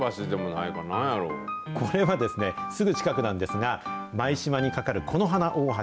これはですね、すぐ近くなんですが、舞洲に架かる此花大橋。